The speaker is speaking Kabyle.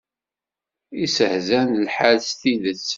Iseḥzan lḥal s tidet.